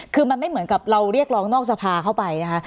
คือมันไม่เหมือนกับเราเรียกร้องนอกสภาเข้าไปนะคะ